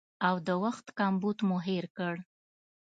او د وخت کمبود مو هېر کړ